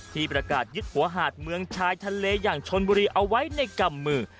ที่ประกาศยึดหัวหาดเมืองชายทะเลอย่างชนบุรีเอาไว้ในกำมือ